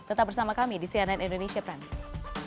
tetap bersama kami di cnn indonesia prime news